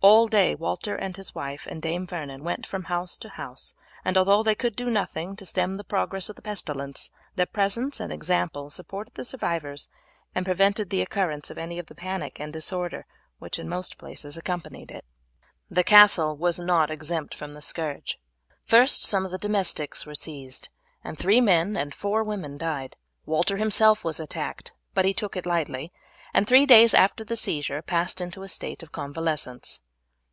All day Walter and his wife and Dame Vernon went from house to house, and although they could do nothing to stem the progress of the pestilence, their presence and example supported the survivors and prevented the occurrence of any of the panic and disorder which in most places accompanied it. The castle was not exempt from the scourge. First some of the domestics were seized, and three men and four women died. Walter himself was attacked, but he took it lightly, and three days after the seizure passed into a state of convalescence.